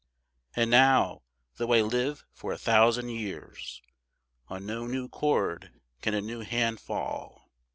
And now, though I live for a thousand years, On no new chord can a new hand fall.